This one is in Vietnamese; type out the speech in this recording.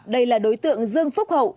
đây là đối tượng dương phúc hậu